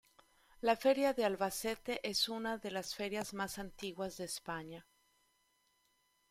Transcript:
La Feria de Albacete es una de las ferias más antiguas de España.